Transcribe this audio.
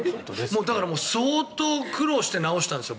相当苦労して直したんですよ